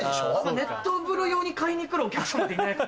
熱湯風呂用に買いにくるお客様っていなくて。